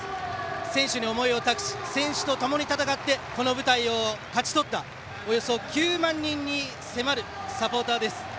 選手に思いを託し選手とともに戦ってこの舞台を勝ち取ったおよそ９万人に迫るサポーターです。